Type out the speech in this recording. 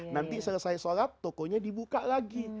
nanti selesai sholat tokonya dibuka lagi